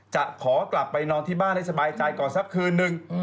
จะขอกลับไปนอนที่บ้านให้สบายใจก่อนสักคืนนึง